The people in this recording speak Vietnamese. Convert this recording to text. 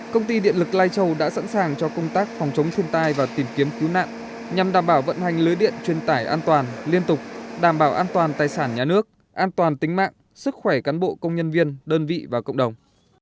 công ty điện lực lai châu đã sẵn sàng cho công tác phòng chống thiên tai và tìm kiếm cứu nạn nhằm đảm bảo vận hành lưới điện truyền tải an toàn liên tục đảm bảo an toàn tài sản nhà nước an toàn tính mạng sức khỏe cán bộ công nhân viên đơn vị và cộng đồng